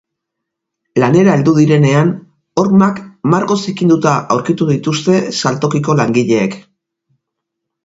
Lanera heldu direnean, hormak margoz zikinduta aurkitu dituzte saltokiko langileek.